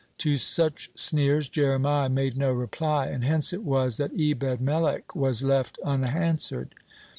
To such sneers Jeremiah made no reply, and hence it was that Ebed melech was left unanswered.